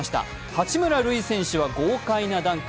八村塁選手は豪快なダンク。